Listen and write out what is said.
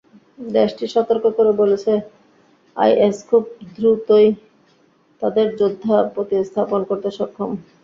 দেশটি সতর্ক করে বলেছে, আইএস খুব দ্রুতই তাদের যোদ্ধা প্রতিস্থাপন করতে সক্ষম।